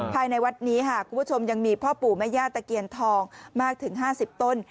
ภายในวัดนี้ค่ะคุณผู้ชมยังมีพ่อปู่แม่ย่าตะเคียนทองมากถึง๕๐ต้น